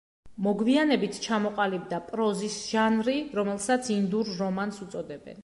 მოგვიანებით ჩამოყალიბდა პროზის ჟანრი, რომელსაც ინდურ რომანს უწოდებენ.